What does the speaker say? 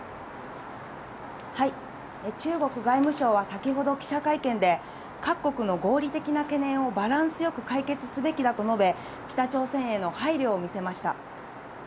中国外務省は先ほど記者会見で、各国の合理的な懸念をバランスよく解決すべきだと述べ、北朝鮮への配慮を見せました。